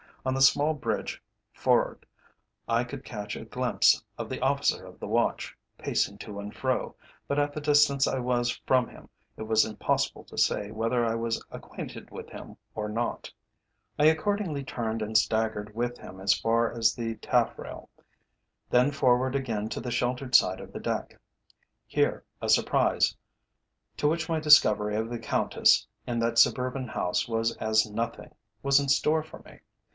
On the small bridge forrard I could catch a glimpse of the officer of the watch, pacing to and fro, but at the distance I was from him, it was impossible to say whether I was acquainted with him or not. "Let us walk aft," bellowed the old gentleman in my ear. I accordingly turned and staggered with him as far as the taffrail, then forward again to the sheltered side of the deck. Here a surprise, to which my discovery of the Countess in that suburban house was as nothing, was in store for me.